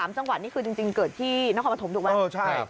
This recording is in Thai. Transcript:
๓จังหวัดนี่คือจริงเกิดที่นครปฐมถูกไหม